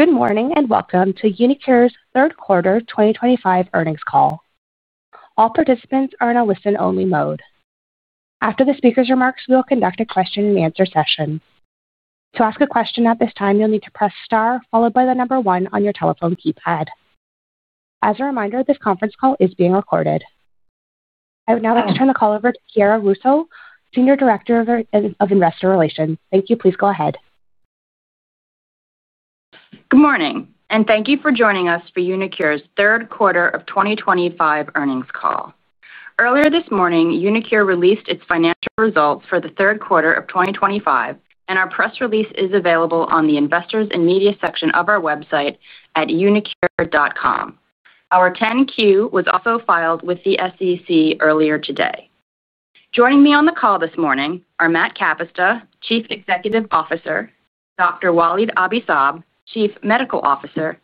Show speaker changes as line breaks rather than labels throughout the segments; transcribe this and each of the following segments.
Good morning and welcome to UniQure's Third Quarter 2025 Earnings Call. All participants are in a listen-only mode. After the speaker's remarks, we will conduct a question-and-answer session. To ask a question at this time, you'll need to press star followed by the number one on your telephone keypad. As a reminder, this conference call is being recorded. I would now like to turn the call over to Kiara Russo, Senior Director of Investor Relations. Thank you. Please go ahead.
Good morning, and thank you for joining us for UniQure's Third Quarter of 2025 Earnings Call. Earlier this morning, uniQure released its financial results for the third quarter of 2025, and our press release is available on the Investors and Media section of our website at uniqure.com. Our 10-Q was also filed with the SEC earlier today. Joining me on the call this morning are Matt Kapusta, Chief Executive Officer; Dr. Walid Abi-Saab, Chief Medical Officer;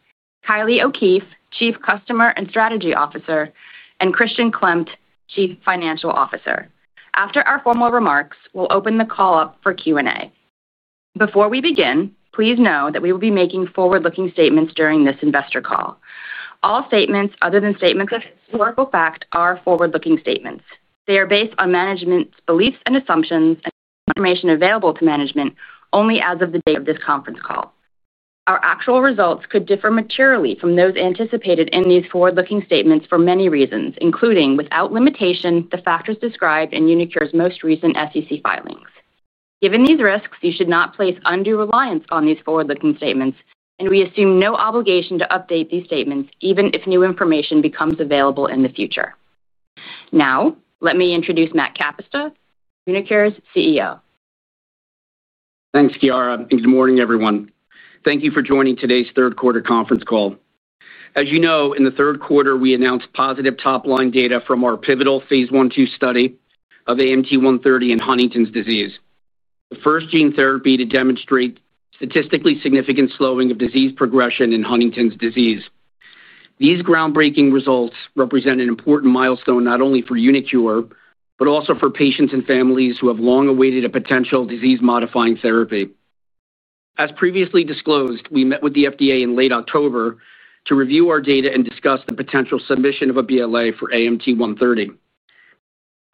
Kylie O'Keefe, Chief Customer and Strategy Officer; and Christian Klemt, Chief Financial Officer. After our formal remarks, we'll open the call up for Q&A. Before we begin, please know that we will be making forward-looking statements during this Investor Call. All statements other than statements of historical fact are forward-looking statements. They are based on management's beliefs and assumptions and information available to management only as of the date of this Conference Call. Our actual results could differ materially from those anticipated in these forward-looking statements for many reasons, including, without limitation, the factors described in uniQure's most recent SEC filings. Given these risks, you should not place undue reliance on these forward-looking statements, and we assume no obligation to update these statements even if new information becomes available in the future. Now, let me introduce Matt Kapusta, uniQure's CEO.
Thanks, Kiara, and good morning, everyone. Thank you for joining today's Third Quarter Conference Call. As you know, in the third quarter, we announced positive top-line data from our pivotal phase I-II study of AMT-130 in Huntington's disease, the first gene therapy to demonstrate statistically significant slowing of disease progression in Huntington's disease. These groundbreaking results represent an important milestone not only for uniQure but also for patients and families who have long awaited a potential disease-modifying therapy. As previously disclosed, we met with the FDA in late October to review our data and discuss the potential submission of a BLA for AMT-130.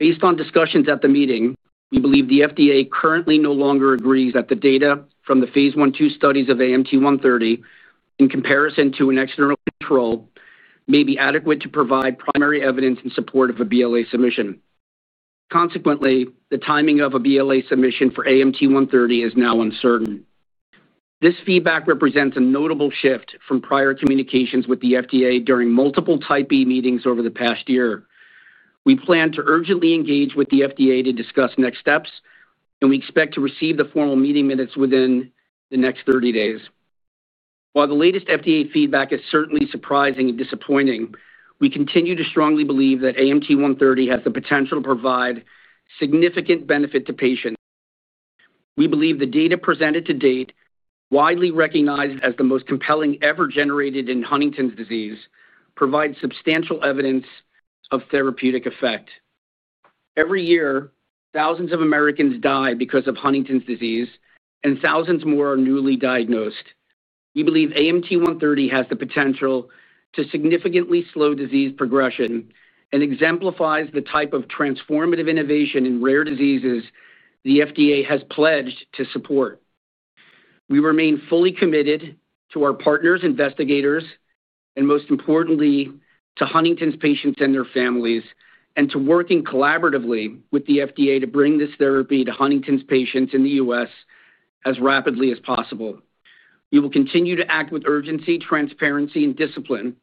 Based on discussions at the meeting, we believe the FDA currently no longer agrees that the data from the phase I-II studies of AMT-130, in comparison to an external control, may be adequate to provide primary evidence in support of a BLA submission. Consequently, the timing of a BLA submission for AMT-130 is now uncertain. This feedback represents a notable shift from prior communications with the FDA during multiple Type B meetings over the past year. We plan to urgently engage with the FDA to discuss next steps, and we expect to receive the formal meeting minutes within the next 30 days. While the latest FDA feedback is certainly surprising and disappointing, we continue to strongly believe that AMT-130 has the potential to provide significant benefit to patients. We believe the data presented to date, widely recognized as the most compelling ever generated in Huntington's disease, provides substantial evidence of therapeutic effect. Every year, thousands of Americans die because of Huntington's disease, and thousands more are newly diagnosed. We believe AMT-130 has the potential to significantly slow disease progression and exemplifies the type of transformative innovation in rare diseases the FDA has pledged to support. We remain fully committed to our partners, investigators, and most importantly, to Huntington's patients and their families, and to working collaboratively with the FDA to bring this therapy to Huntington's patients in the U.S. as rapidly as possible. We will continue to act with urgency, transparency, and discipline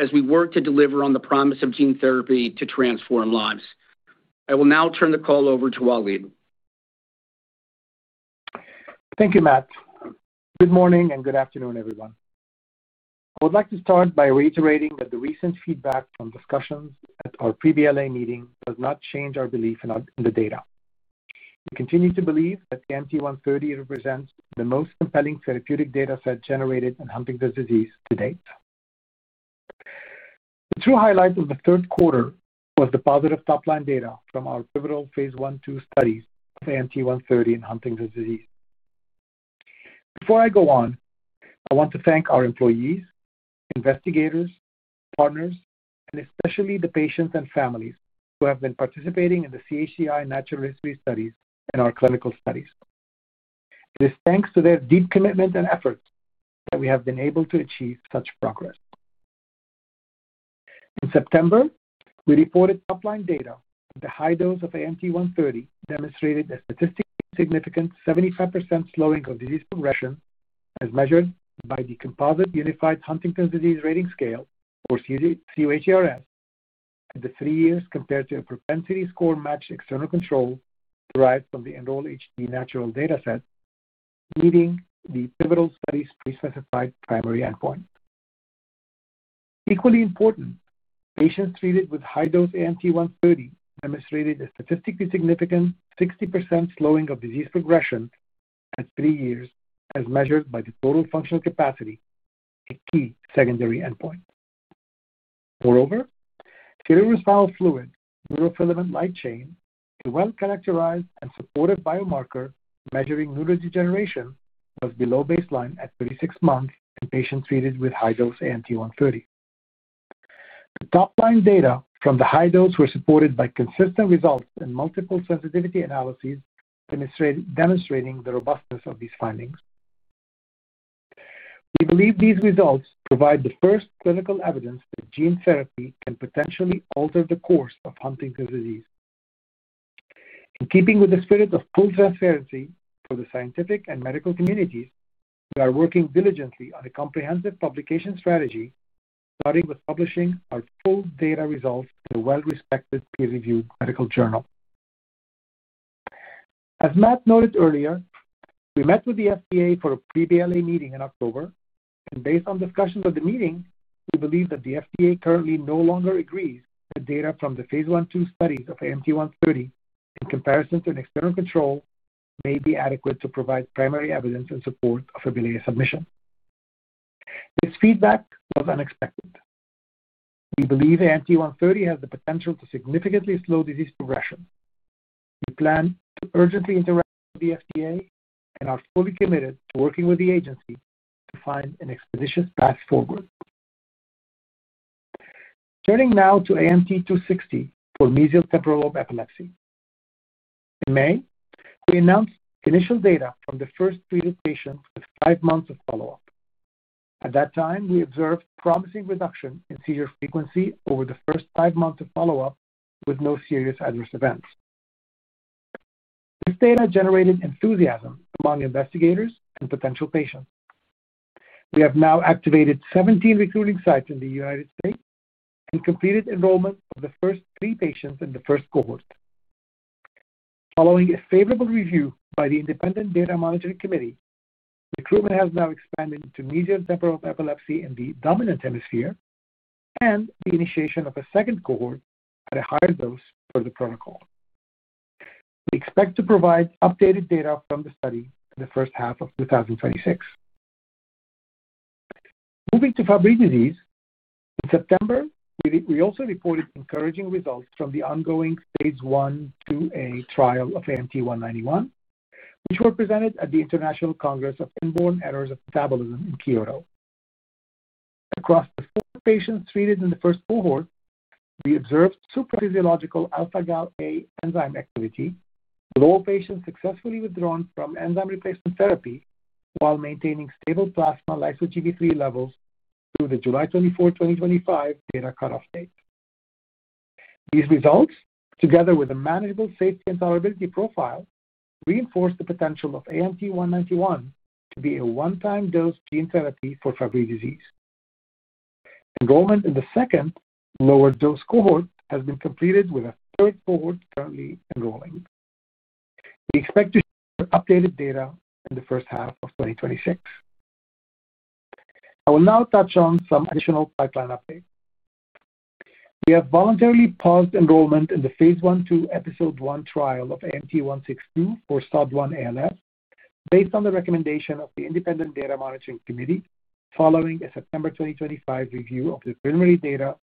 as we work to deliver on the promise of gene therapy to transform lives. I will now turn the call over to Walid.
Thank you, Matt. Good morning and good afternoon, everyone. I would like to start by reiterating that the recent feedback from discussions at our pre-BLA meeting does not change our belief in the data. We continue to believe that AMT-130 represents the most compelling therapeutic data set generated in Huntington's disease to date. The true highlight of the third quarter was the positive top-line data from our pivotal phase I-II studies of AMT-130 in Huntington's disease. Before I go on, I want to thank our employees, investigators, partners, and especially the patients and families who have been participating in the Enroll-HD natural history studies and our clinical studies. It is thanks to their deep commitment and efforts that we have been able to achieve such progress. In September, we reported top-line data that the high dose of AMT-130 demonstrated a statistically significant 75% slowing of disease progression as measured by the Composite Unified Huntington's Disease Rating Scale, or cUHDRS, at three years compared to a propensity score matched external control derived from the Enroll-HD natural data set, meeting the pivotal study's pre-specified primary endpoint. Equally important, patients treated with high-dose AMT-130 demonstrated a statistically significant 60% slowing of disease progression at three years as measured by the Total Functional Capacity, a key secondary endpoint. Moreover, serous bowel fluid, neurofilament light chain, a well-characterized and supportive biomarker measuring neurodegeneration, was below baseline at 36 months in patients treated with high-dose AMT-130. The top-line data from the high dose were supported by consistent results in multiple sensitivity analyses demonstrating the robustness of these findings. We believe these results provide the first clinical evidence that gene therapy can potentially alter the course of Huntington's disease. In keeping with the spirit of full transparency for the scientific and medical communities, we are working diligently on a comprehensive publication strategy, starting with publishing our full data results in a well-respected, peer-reviewed medical journal. As Matt noted earlier, we met with the FDA for a pre-BLA meeting in October, and based on discussions at the meeting, we believe that the FDA currently no longer agrees that data from the phase I-II studies of AMT-130 in comparison to an external control may be adequate to provide primary evidence in support of a BLA submission. This feedback was unexpected. We believe AMT-130 has the potential to significantly slow disease progression. We plan to urgently interact with the FDA and are fully committed to working with the agency to find an expeditious path forward. Turning now to AMT-260 for mesial temporal lobe epilepsy. In May, we announced initial data from the first treated patients with five months of follow-up. At that time, we observed promising reduction in seizure frequency over the first five months of follow-up with no serious adverse events. This data generated enthusiasm among investigators and potential patients. We have now activated 17 recruiting sites in the United States and completed enrollment of the first three patients in the first cohort. Following a favorable review by the Independent Data Monitoring Committee, recruitment has now expanded to mesial temporal lobe epilepsy in the dominant hemisphere and the initiation of a second cohort at a higher dose per the protocol. We expect to provide updated data from the study in the first half of 2026. Moving to Fabry disease, in September, we also reported encouraging results from the ongoing phase I-IIA trial of AMT-191, which were presented at the International Congress of Inborn Errors of Metabolism in Kyoto. Across the four patients treated in the first cohort, we observed supra-physiological alpha-galA enzyme activity with all patients successfully withdrawn from enzyme replacement therapy while maintaining stable plasma lyso-Gb3 levels through the July 24, 2025, data cutoff date. These results, together with a manageable safety and tolerability profile, reinforce the potential of AMT-191 to be a one-time dose gene therapy for Fabry disease. Enrollment in the second lower dose cohort has been completed with a third cohort currently enrolling. We expect to share updated data in the first half of 2026. I will now touch on some additional pipeline updates. We have voluntarily paused enrollment in the phase I-II, Episode I trial of AMT-162 for SOD1 ALS based on the recommendation of the Independent Data Monitoring Committee following a September 2025 review of the preliminary data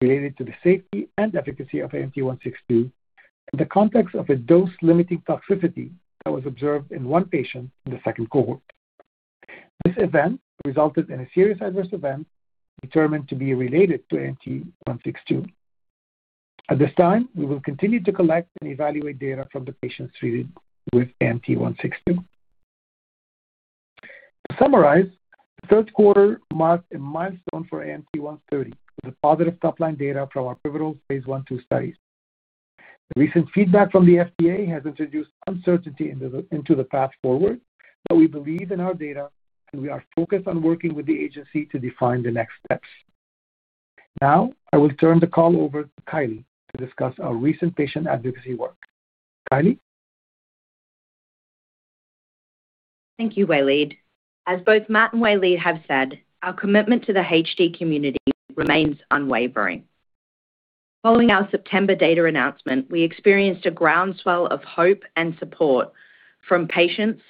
related to the safety and efficacy of AMT-162 in the context of a dose-limiting toxicity that was observed in one patient in the second cohort. This event resulted in a serious adverse event determined to be related to AMT-162. At this time, we will continue to collect and evaluate data from the patients treated with AMT-162. To summarize, the third quarter marked a milestone for AMT-130 with the positive top-line data from our pivotal phase I-II studies. The recent feedback from the FDA has introduced uncertainty into the path forward, but we believe in our data, and we are focused on working with the agency to define the next steps. Now, I will turn the call over to Kylie to discuss our recent patient advocacy work. Kylie?
Thank you, Walid. As both Matt and Walid have said, our commitment to the HD community remains unwavering. Following our September data announcement, we experienced a groundswell of hope and support from patients,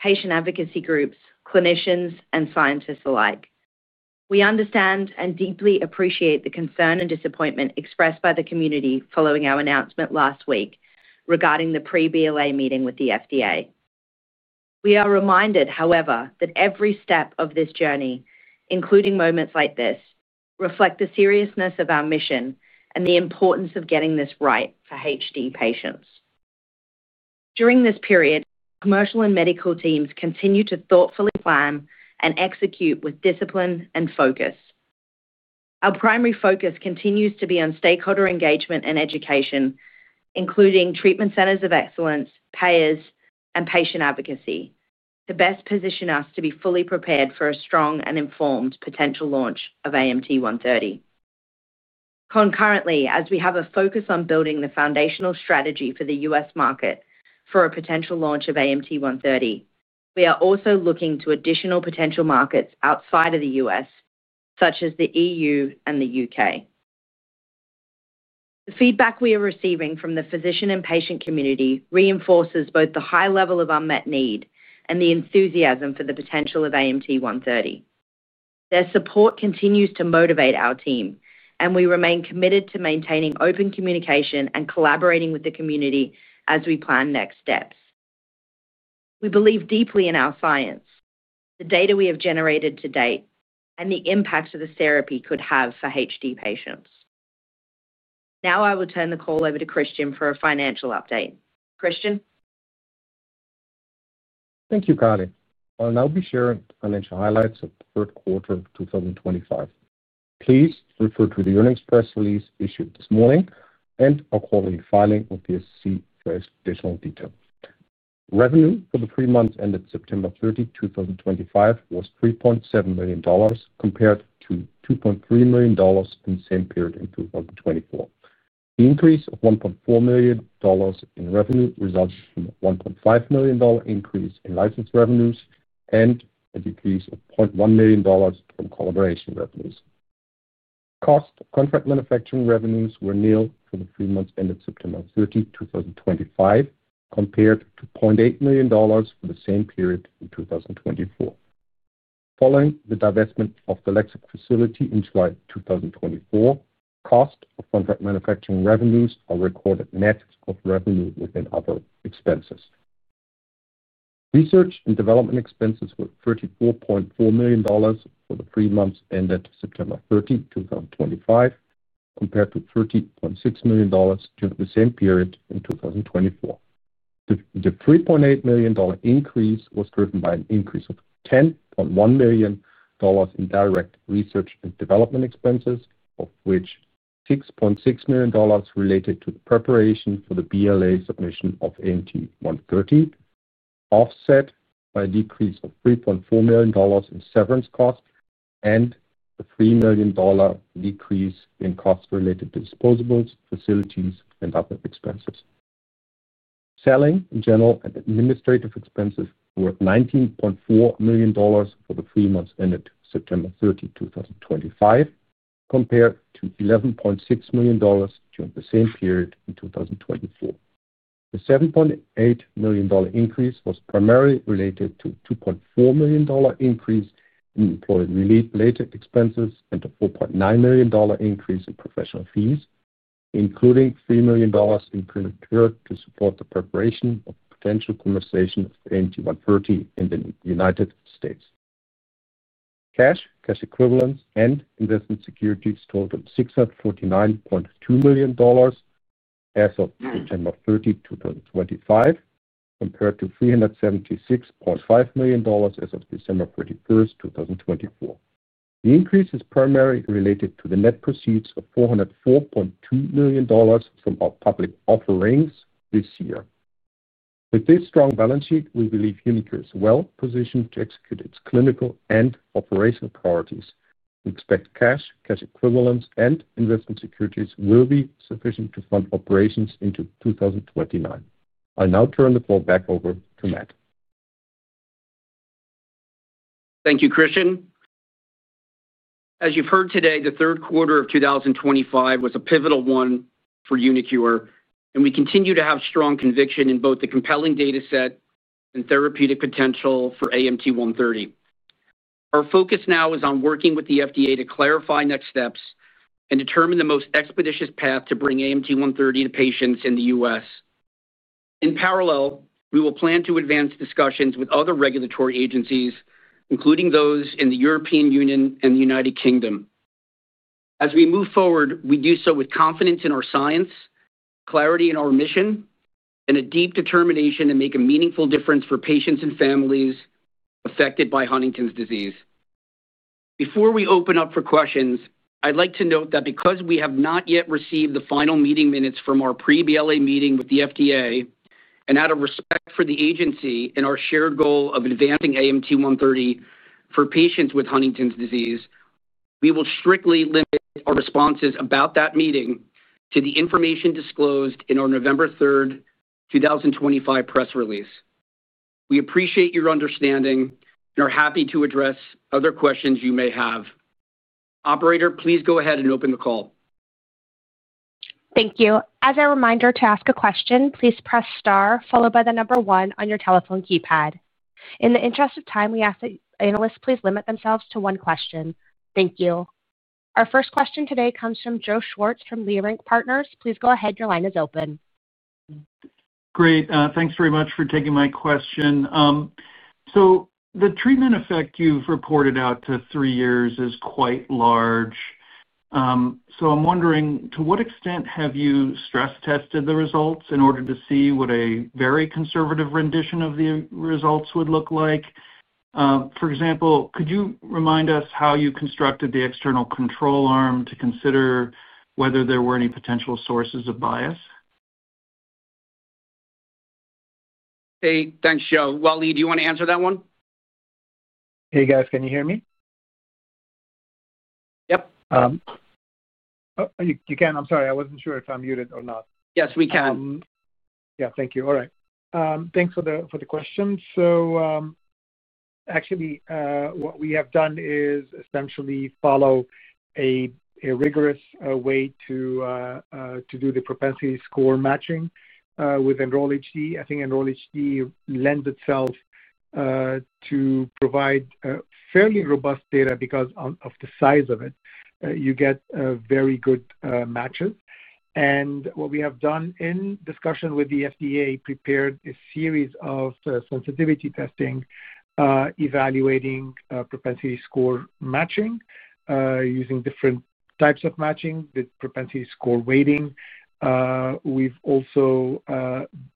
patient advocacy groups, clinicians, and scientists alike. We understand and deeply appreciate the concern and disappointment expressed by the community following our announcement last week regarding the pre-BLA meeting with the FDA. We are reminded, however, that every step of this journey, including moments like this, reflects the seriousness of our mission and the importance of getting this right for HD patients. During this period, commercial and medical teams continue to thoughtfully plan and execute with discipline and focus. Our primary focus continues to be on stakeholder engagement and education, including treatment centers of excellence, payers, and patient advocacy, to best position us to be fully prepared for a strong and informed potential launch of AMT-130. Concurrently, as we have a focus on building the foundational strategy for the U.S. market for a potential launch of AMT-130, we are also looking to additional potential markets outside of the U.S., such as the European Union and the U.K. The feedback we are receiving from the physician and patient community reinforces both the high level of unmet need and the enthusiasm for the potential of AMT-130. Their support continues to motivate our team, and we remain committed to maintaining open communication and collaborating with the community as we plan next steps. We believe deeply in our science, the data we have generated to date, and the impact this therapy could have for HD patients. Now, I will turn the call over to Christian for a financial update. Christian?
Thank you, Kylie. I'll now be sharing financial highlights of the third quarter of 2025. Please refer to the earnings press release issued this morning and our quarterly filing of the SEC for additional detail. Revenue for the three months ended September 30, 2025, was $3.7 million, compared to $2.3 million in the same period in 2024. The increase of $1.4 million in revenue resulted in a $1.5 million increase in license revenues and a decrease of $0.1 million from collaboration revenues. Cost of contract manufacturing revenues were nil for the three months ended September 30, 2025, compared to $0.8 million for the same period in 2024. Following the divestment of the Lexic facility in July 2024, cost of contract manufacturing revenues are recorded net of revenue within other expenses. Research and development expenses were $34.4 million for the three months ended September 30, 2025, compared to $30.6 million during the same period in 2024. The $3.8 million increase was driven by an increase of $10.1 million in direct research and development expenses, of which $6.6 million related to the preparation for the BLA submission of AMT-130, offset by a decrease of $3.4 million in severance cost and a $3 million decrease in costs related to disposables, facilities, and other expenses. Selling, general, and administrative expenses were $19.4 million for the three months ended September 30, 2025, compared to $11.6 million during the same period in 2024. The $7.8 million increase was primarily related to a $2.4 million increase in employee-related expenses and a $4.9 million increase in professional fees, including $3 million incrementally to support the preparation of potential commercialization of AMT-130 in the United States. Cash, cash equivalents, and investment securities totaled $649.2 million as of September 30, 2025, compared to $376.5 million as of December 31, 2024. The increase is primarily related to the net proceeds of $404.2 million from our public offerings this year. With this strong balance sheet, we believe uniQure is well positioned to execute its clinical and operational priorities. We expect cash, cash equivalents, and investment securities will be sufficient to fund operations into 2029. I'll now turn the call back over to Matt.
Thank you, Christian. As you've heard today, the third quarter of 2025 was a pivotal one for uniQure, and we continue to have strong conviction in both the compelling data set and therapeutic potential for AMT-130. Our focus now is on working with the FDA to clarify next steps and determine the most expeditious path to bring AMT-130 to patients in the U.S. In parallel, we will plan to advance discussions with other regulatory agencies, including those in the European Union and the United Kingdom. As we move forward, we do so with confidence in our science, clarity in our mission, and a deep determination to make a meaningful difference for patients and families affected by Huntington's disease. Before we open up for questions, I'd like to note that because we have not yet received the final meeting minutes from our pre-BLA meeting with the FDA, and out of respect for the agency and our shared goal of advancing AMT-130 for patients with Huntington's disease, we will strictly limit our responses about that meeting to the information disclosed in our November 3, 2025, press release. We appreciate your understanding and are happy to address other questions you may have. Operator, please go ahead and open the call.
Thank you. As a reminder to ask a question, please press star, followed by the number one on your telephone keypad. In the interest of time, we ask that analysts please limit themselves to one question. Thank you. Our first question today comes from Joe Schwartz from Leerink Partners. Please go ahead. Your line is open.
Great. Thanks very much for taking my question. The treatment effect you've reported out to three years is quite large. I'm wondering, to what extent have you stress-tested the results in order to see what a very conservative rendition of the results would look like? For example, could you remind us how you constructed the external control arm to consider whether there were any potential sources of bias?
Hey. Thanks, Joe. Walid, do you want to answer that one?
Hey, guys. Can you hear me?
Yep.
You can. I'm sorry. I wasn't sure if I'm muted or not.
Yes, we can.
Yeah. Thank you. All right. Thanks for the question. Actually, what we have done is essentially follow a rigorous way to do the propensity score matching with Enroll-HD. I think Enroll-HD lends itself to provide fairly robust data because of the size of it. You get very good matches. What we have done in discussion with the FDA is prepared a series of sensitivity testing evaluating propensity score matching using different types of matching with propensity score weighting. We've also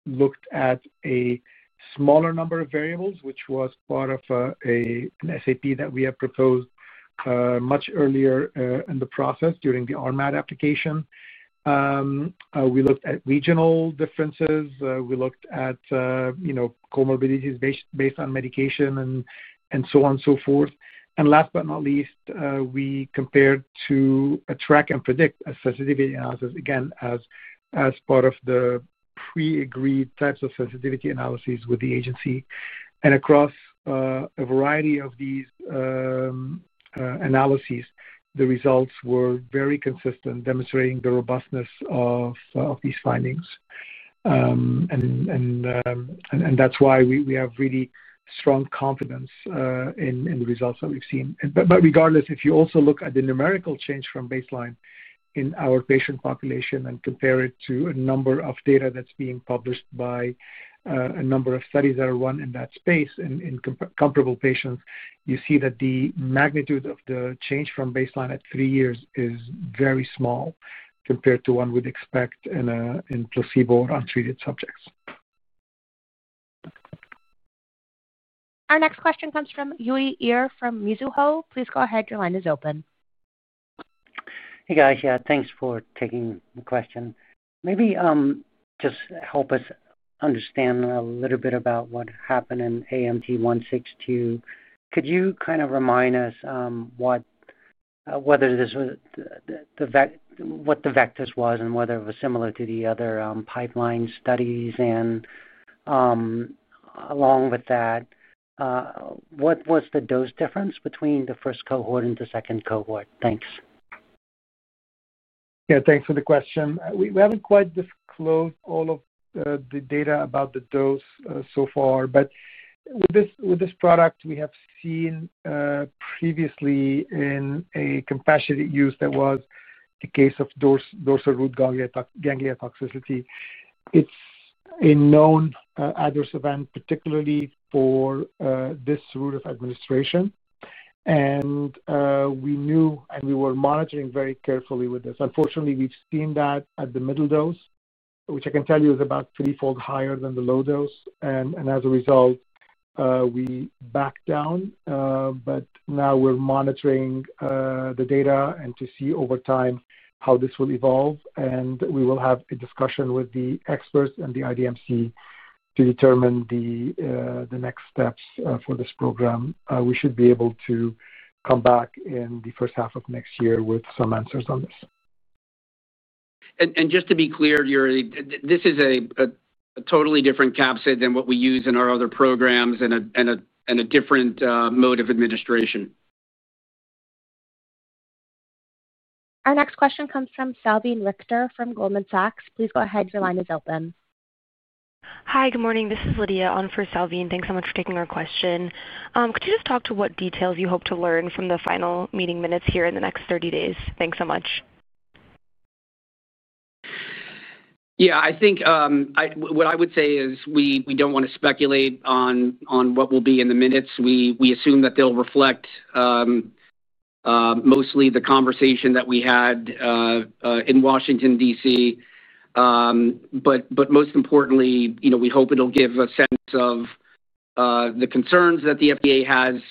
looked at a smaller number of variables, which was part of an SAP that we have proposed much earlier in the process during the RMAT application. We looked at regional differences. We looked at comorbidities based on medication and so on and so forth. Last but not least, we compared to track and predict a sensitivity analysis, again, as part of the pre-agreed types of sensitivity analyses with the agency. Across a variety of these analyses, the results were very consistent, demonstrating the robustness of these findings. That is why we have really strong confidence in the results that we've seen. Regardless, if you also look at the numerical change from baseline in our patient population and compare it to a number of data that's being published by a number of studies that are run in that space in comparable patients, you see that the magnitude of the change from baseline at three years is very small compared to one we'd expect in placebo or untreated subjects.
Our next question comes from Yui Iya from Mizuho. Please go ahead. Your line is open. Hey, guys. Yeah. Thanks for taking the question. Maybe just help us understand a little bit about what happened in AMT-162. Could you kind of remind us what the vectors were and whether it was similar to the other pipeline studies? Along with that, what was the dose difference between the first cohort and the second cohort? Thanks.
Yeah. Thanks for the question. We have not quite disclosed all of the data about the dose so far. With this product, we have seen previously in a compassionate use that was the case of dorsal root ganglia toxicity. It is a known adverse event, particularly for this route of administration. We knew and we were monitoring very carefully with this. Unfortunately, we have seen that at the middle dose, which I can tell you is about three-fold higher than the low dose. As a result, we backed down. Now we are monitoring the data to see over time how this will evolve. We will have a discussion with the experts and the IDMC to determine the next steps for this program. We should be able to come back in the first half of next year with some answers on this.
Just to be clear, this is a totally different capset than what we use in our other programs and a different mode of administration.
Our next question comes from Salveen Richter from Goldman Sachs. Please go ahead. Your line is open. Hi. Good morning. This is Lydia, on for Salveen. Thanks so much for taking our question. Could you just talk to what details you hope to learn from the final meeting minutes here in the next 30 days? Thanks so much.
Yeah. I think what I would say is we don't want to speculate on what will be in the minutes. We assume that they'll reflect mostly the conversation that we had in Washington, D.C. Most importantly, we hope it'll give a sense of the concerns that the FDA has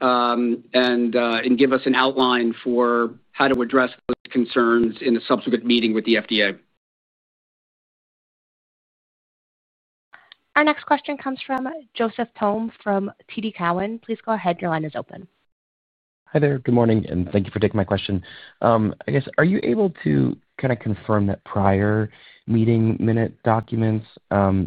and give us an outline for how to address those concerns in a subsequent meeting with the FDA.
Our next question comes from Joseph Thome from TD Cowen. Please go ahead. Your line is open.
Hi there. Good morning. Thank you for taking my question. I guess, are you able to kind of confirm that prior meeting minute documents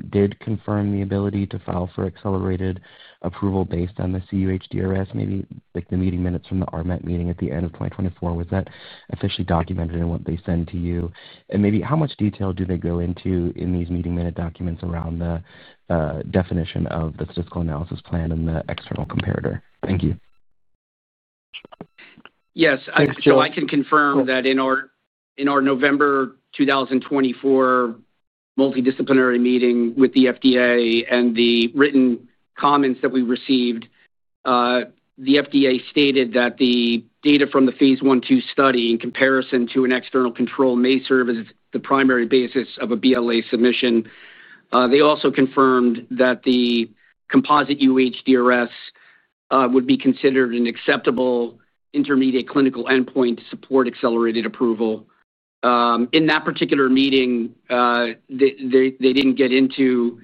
did confirm the ability to file for accelerated approval based on the cUHDRS, maybe the meeting minutes from the RMAT meeting at the end of 2024? Was that officially documented in what they send to you? Maybe how much detail do they go into in these meeting minute documents around the definition of the statistical analysis plan and the external comparator? Thank you.
Yes. Joe, I can confirm that in our November 2024 multidisciplinary meeting with the FDA and the written comments that we received, the FDA stated that the data from the phase I-II study in comparison to an external control may serve as the primary basis of a BLA submission. They also confirmed that the composite UHDRS would be considered an acceptable intermediate clinical endpoint to support accelerated approval. In that particular meeting, they did not get into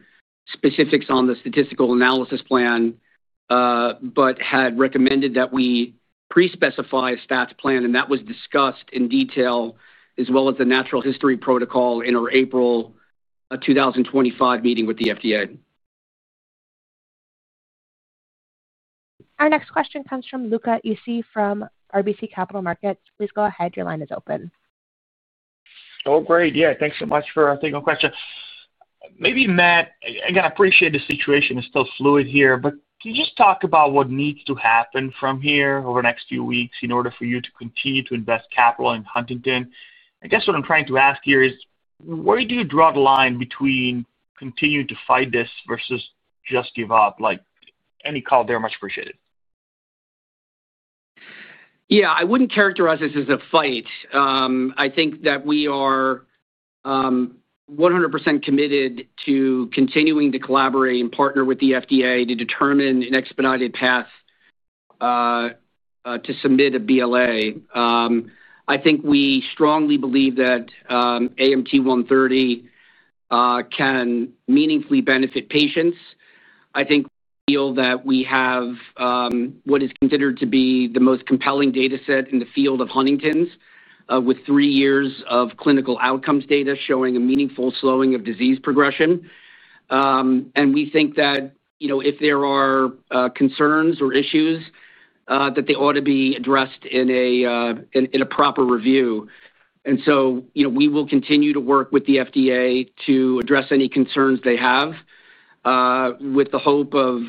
specifics on the statistical analysis plan but had recommended that we pre-specify a stats plan. That was discussed in detail as well as the natural history protocol in our April 2025 meeting with the FDA.
Our next question comes from Luca Issi from RBC Capital Markets. Please go ahead. Your line is open.
Oh, great. Yeah. Thanks so much for taking the question. Maybe Matt, again, I appreciate the situation is still fluid here. Can you just talk about what needs to happen from here over the next few weeks in order for you to continue to invest capital in Huntington? I guess what I'm trying to ask here is where do you draw the line between continuing to fight this versus just give up? Any call there? Much appreciated.
Yeah. I wouldn't characterize this as a fight. I think that we are 100% committed to continuing to collaborate and partner with the FDA to determine an expedited path to submit a BLA. I think we strongly believe that AMT-130 can meaningfully benefit patients. I think we feel that we have what is considered to be the most compelling dataset in the field of Huntington's with three years of clinical outcomes data showing a meaningful slowing of disease progression. We think that if there are concerns or issues, that they ought to be addressed in a proper review. We will continue to work with the FDA to address any concerns they have with the hope of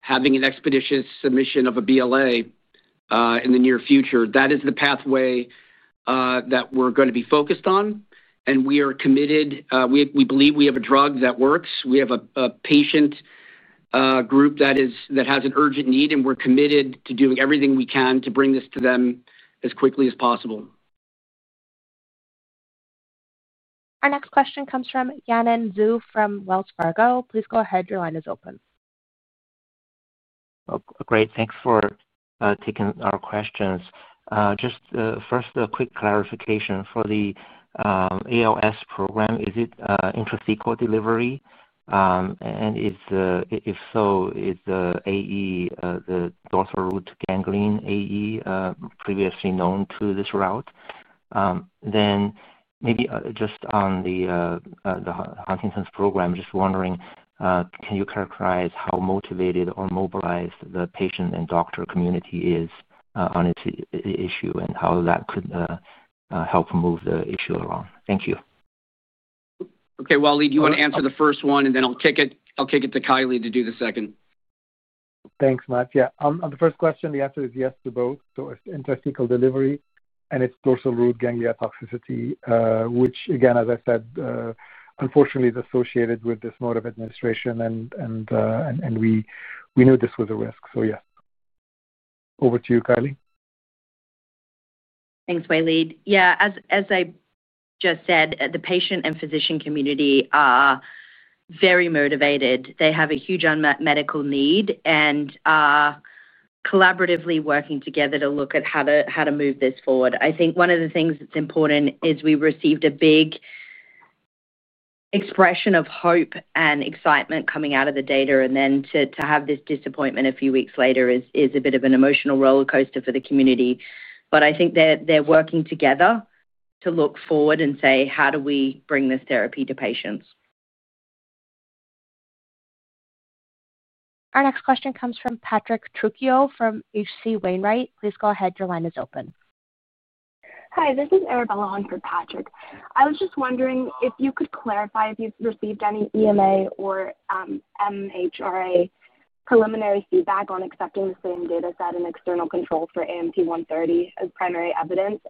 having an expeditious submission of a BLA in the near future. That is the pathway that we're going to be focused on. We are committed. We believe we have a drug that works. We have a patient group that has an urgent need. We're committed to doing everything we can to bring this to them as quickly as possible.
Our next question comes from Yanan Zhu from Wells Fargo. Please go ahead. Your line is open.
Great. Thanks for taking our questions. Just first, a quick clarification. For the ALS program, is it intrathecal delivery? And if so, is the AE, the dorsal root ganglia AE, previously known to this route? Maybe just on the Huntington's program, just wondering, can you characterize how motivated or mobilized the patient and doctor community is on this issue and how that could help move the issue along? Thank you.
Okay. Walid, you want to answer the first one, and then I'll kick it to Kylie to do the second.
Thanks, Matt. Yeah. On the first question, the answer is yes to both. It is intrathecal delivery and it is dorsal root ganglia toxicity, which, again, as I said, unfortunately, is associated with this mode of administration. We knew this was a risk. Yes. Over to you, Kylie.
Thanks, Walid. Yeah. As I just said, the patient and physician community are very motivated. They have a huge medical need and are collaboratively working together to look at how to move this forward. I think one of the things that's important is we received a big expression of hope and excitement coming out of the data. To have this disappointment a few weeks later is a bit of an emotional roller coaster for the community. I think they're working together to look forward and say, "How do we bring this therapy to patients?
Our next question comes from Patrick Trucchio from HC Wainwright. Please go ahead. Your line is open.
Hi. This is Arabella on for Patrick. I was just wondering if you could clarify if you've received any EMA or MHRA preliminary feedback on accepting the same dataset and external control for AMT-130 as primary evidence.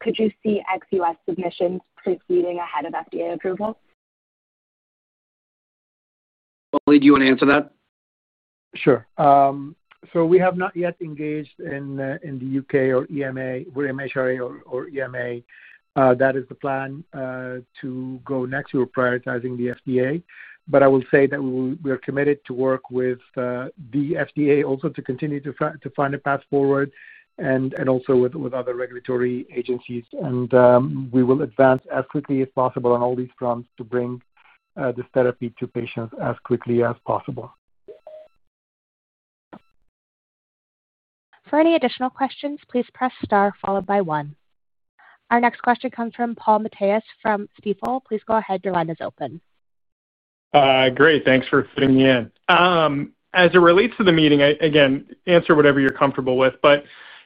Could you see XUS submissions proceeding ahead of FDA approval?
Walid, do you want to answer that?
Sure. We have not yet engaged in the U.K. or EMA or MHRA or EMA. That is the plan to go next to prioritizing the FDA. I will say that we are committed to work with the FDA also to continue to find a path forward and also with other regulatory agencies. We will advance as quickly as possible on all these fronts to bring this therapy to patients as quickly as possible.
For any additional questions, please press star followed by one. Our next question comes from Paul Matteis from Stifel. Please go ahead. Your line is open.
Great. Thanks for fitting me in. As it relates to the meeting, again, answer whatever you're comfortable with.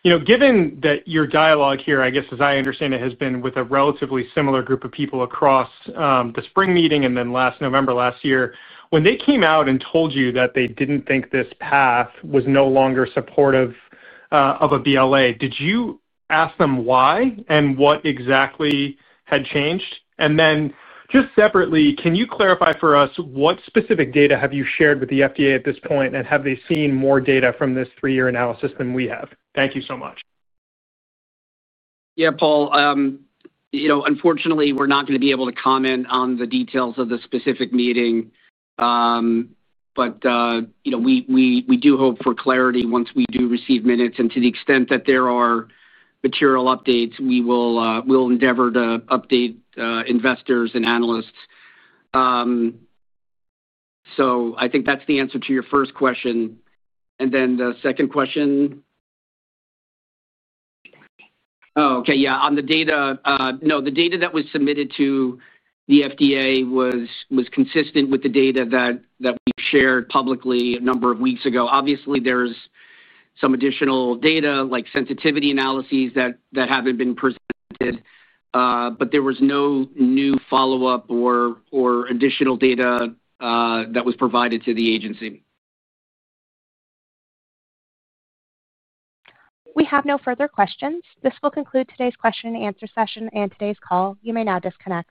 Given that your dialogue here, I guess, as I understand it, has been with a relatively similar group of people across the spring meeting and then last November last year, when they came out and told you that they didn't think this path was no longer supportive of a BLA, did you ask them why and what exactly had changed? Just separately, can you clarify for us what specific data have you shared with the FDA at this point? Have they seen more data from this three-year analysis than we have? Thank you so much.
Yeah. Paul, unfortunately, we're not going to be able to comment on the details of the specific meeting. We do hope for clarity once we do receive minutes. To the extent that there are material updates, we will endeavor to update investors and analysts. I think that's the answer to your first question. The second question. Oh, okay. Yeah. On the data, no, the data that was submitted to the FDA was consistent with the data that we shared publicly a number of weeks ago. Obviously, there's some additional data like sensitivity analyses that haven't been presented. There was no new follow-up or additional data that was provided to the agency.
We have no further questions. This will conclude today's question and answer session and today's call. You may now disconnect.